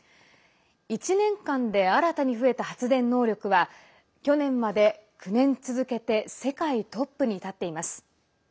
１年間で新たに増えた発電能力は去年まで９年続けて世界トップに立っています。